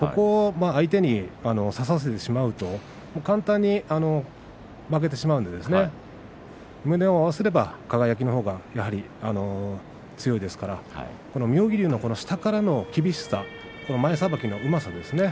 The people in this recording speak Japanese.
相手に差させてしまうと簡単に負けてしまうので胸を合わせれば輝のほうがやはり強いですから妙義龍の下からの厳しさ前さばきのうまさですね。